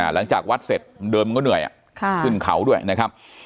หลังจากวัดเสร็จเดิมมันก็เหนื่อยขึ้นเขาด้วยนะครับ